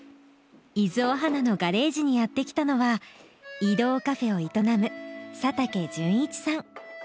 伊豆おはなのガレージにやってきたのは移動カフェを営む佐竹純一さん。